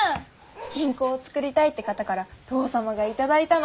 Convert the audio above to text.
銀行を作りたいって方から父さまが頂いたの。